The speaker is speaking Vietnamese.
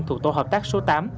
thuộc tổ hợp tác số tám